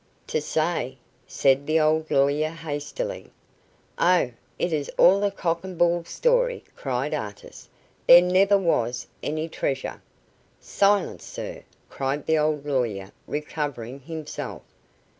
"To say?" said the old lawyer, hastily. "Oh, it is all a cock and bull story," cried Artis. "There never was any treasure." "Silence, sir," cried the old lawyer recovering himself.